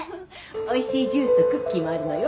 おいしいジュースとクッキーもあるのよ。